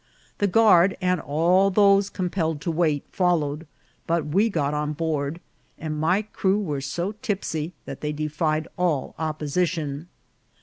The guard, and all those compelled to wait, followed ; but we got on board, and my crew were so tipsy that they defied all opposition.